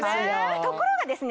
ところがですね